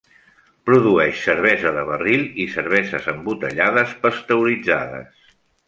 Produeix cervesa de barril i cerveses embotellades pasteuritzades.